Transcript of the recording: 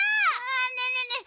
ねえねえねえ